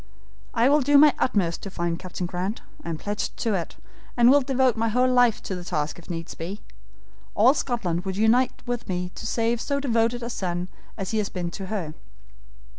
I will do my utmost to find Captain Grant; I am pledged to it, and will devote my whole life to the task if needs be. All Scotland would unite with me to save so devoted a son as he has been to her.